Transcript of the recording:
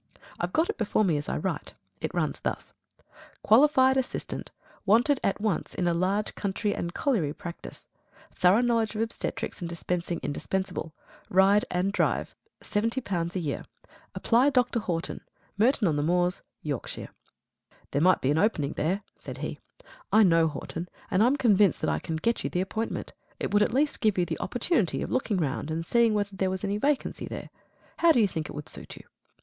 I've got it before me as I write. It runs thus: Qualified Assistant. Wanted at once in a large country and colliery practice. Thorough knowledge of obstetrics and dispensing indispensable. Ride and drive. L70 a year. Apply Dr. Horton Merton on the Moors, Yorkshire." "There might be an opening there," said he. "I know Horton, and I am convinced that I can get you the appointment. It would at least give you the opportunity of looking round and seeing whether there was any vacancy there. How do you think it would suit you?"